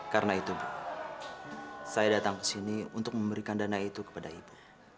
karena itu bu saya datang kesini untuk memberikan dana itu kepada ibu